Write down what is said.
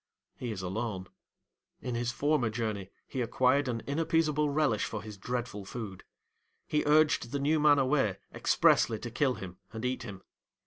He is alone. In his former journey he acquired an inappeasable relish for his dreadful food. He urged the new man away, expressly to kill him and eat him.